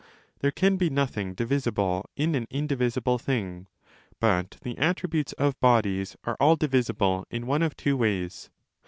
There can be nothing divisible in an indivisible thing, but the attributes of bodies are all divisible 20 in one of two ways.